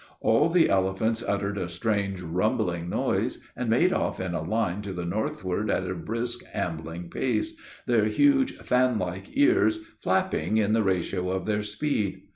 All the elephants uttered a strange rumbling noise, and made off in a line to the northward at a brisk ambling pace, their huge, fan like ears flapping in the ratio of their speed.